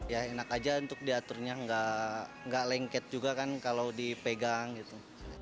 ya enak aja untuk diaturnya nggak lengket juga kan kalau dipegang gitu